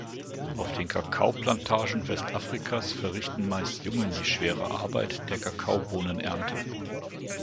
Auf den Kakaoplantagen Westafrikas verrichten meist Jungen die schwere Arbeit der Kakaobohnenernte.